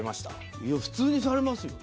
いや普通にされますよね。